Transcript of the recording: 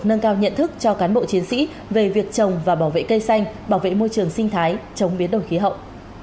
nâng cao nhận thức cho cán bộ chiến sĩ về việc trồng và bảo vệ cây xanh bảo vệ môi trường sinh thái chống biến đổi khí hậu